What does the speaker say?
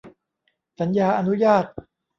สัญญาอนุญาต